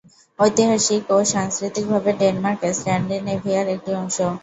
ঐতিহাসিক ও সাংস্কৃতিকভাবে ডেনমার্ক স্ক্যান্ডিনেভিয়ার একটি অংশ।